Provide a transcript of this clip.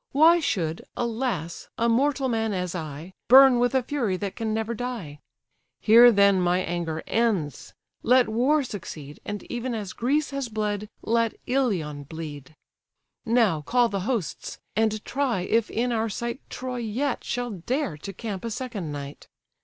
Why should, alas, a mortal man, as I, Burn with a fury that can never die? Here then my anger ends: let war succeed, And even as Greece has bled, let Ilion bleed. Now call the hosts, and try if in our sight Troy yet shall dare to camp a second night!